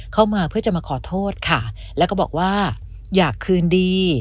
เข้ามาเพื่อจะมาขอโทษค่ะแล้วก็บอกว่าอยากคืนดี